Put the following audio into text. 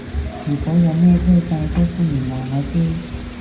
如果有咩推介都歡迎話我知